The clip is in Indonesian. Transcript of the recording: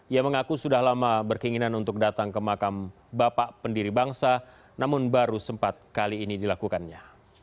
ia mengaku sudah lama berkeinginan untuk datang ke makam bapak pendiri bangsa namun baru sempat kali ini dilakukannya